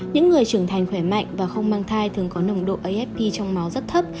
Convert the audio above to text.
những người trưởng thành khỏe mạnh và không mang thai thường có nồng độ afp trong máu rất thấp